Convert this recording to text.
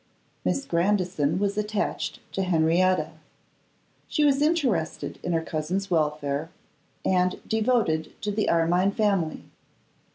Miss Grandison was attached to Henrietta; she was interested in her cousin's welfare, and devoted to the Armine family.